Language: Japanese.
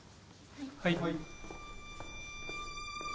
はい。